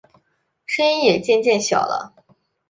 声音也渐渐小了